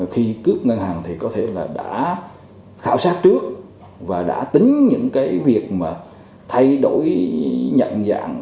khi cướp ngân hàng thì có thể là đã khảo sát trước và đã tính những cái việc mà thay đổi nhận dạng